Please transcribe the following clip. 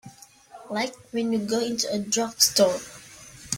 Like when you go into a drugstore.